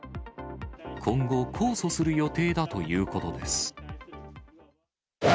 今後、控訴する予定だということです。